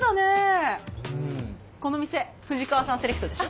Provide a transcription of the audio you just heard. この店藤川さんセレクトでしょ？